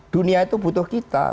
dunia itu butuh kita